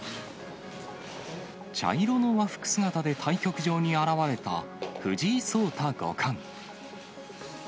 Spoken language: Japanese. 茶色の和服姿で対局場に現れた藤井聡太五冠。